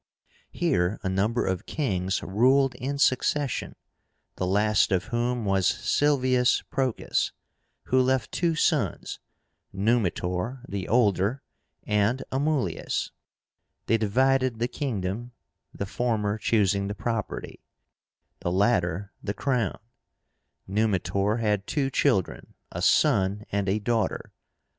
Here a number of kings ruled in succession, the last of whom was SILVIUS PROCAS, who left two sons, NUMITOR, the older, and AMULIUS. They divided the kingdom, the former choosing the property, the latter the crown. Numitor had two children, a son and a daughter.